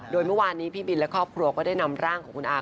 โดยเมื่อวานนี้พี่บินและครอบครัวก็ได้นำร่างของคุณอาร์